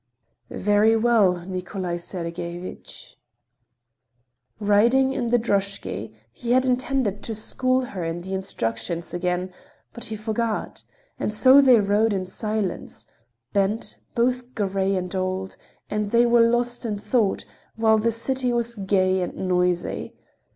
"Very well, Nikolay Sergeyevich." Riding in the drozhky, he had intended to school her in the instructions again, but he forgot. And so they rode in silence, bent, both gray and old, and they were lost in thought, while the city was gay and noisy.